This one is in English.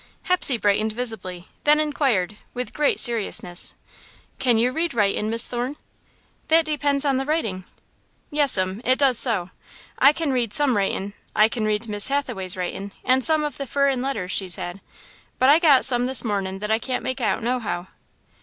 Hepsey brightened visibly, then inquired, with great seriousness: "Can you read writin', Miss Thorne?" "That depends on the writing." "Yes'm, it does so. I can read some writin' I can read Miss Hathaway's writin', and some of the furrin letters she's had, but I got some this mornin' I can't make out, nohow."